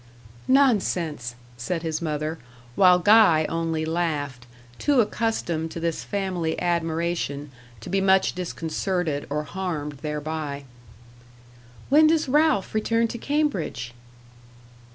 "Nonsense!" said his mother, while Guy only laughed, too accustomed to this family admiration to be much disconcerted or harmed thereby. "When does Ralph return to Cambridge?"